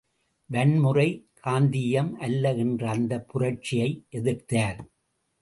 வன்முறை, காந்தீயம் அல்ல என்று அந்தப் புரட்சியைப் எதிர்த்தார்.